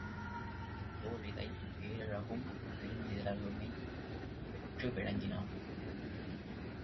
ஹிப்போலிதை பேரழகும் பெருந்ததிறலும பெற்று விளங்கினான்.